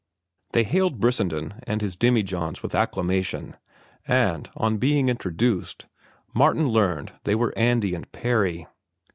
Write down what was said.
They hailed Brissenden and his demijohns with acclamation, and, on being introduced, Martin learned they were Andy and Parry.